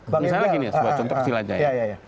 misalnya gini sebagai contoh kecil aja ya